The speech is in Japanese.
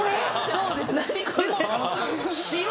そうです。